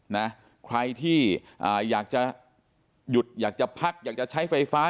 นะใครที่อ่าอยากจะหยุดอยากจะพักอยากจะใช้ไฟฟ้า